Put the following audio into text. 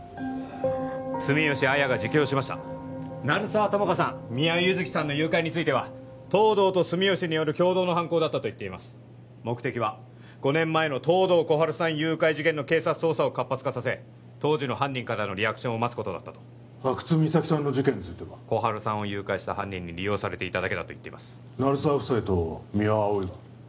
住吉亜矢が自供しました鳴沢友果さん三輪優月さんの誘拐については東堂と住吉による共同の犯行だったと言っています目的は５年前の東堂心春さん誘拐事件の警察捜査を活発化させ当時の犯人からのリアクションを待つことだったと阿久津実咲さんの事件については心春さんを誘拐した犯人に利用されていただけだと言っています鳴沢夫妻と三輪碧は？